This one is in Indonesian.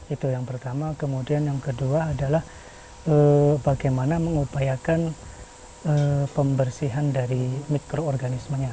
itu yang pertama kemudian yang kedua adalah bagaimana mengupayakan pembersihan dari mikroorganismenya